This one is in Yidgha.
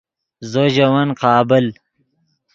زو ژے ون قابل